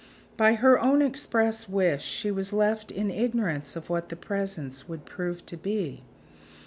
By her own express wish, she was left in ignorance of what the presents would prove to be.